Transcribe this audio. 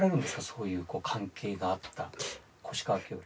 そういう関係があった越川橋梁の。